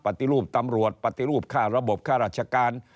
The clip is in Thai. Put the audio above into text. ปฏิรูปตำรวจปฏิรูปค่าระบบค่าราชการ